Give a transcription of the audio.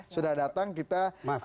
sudah datang kita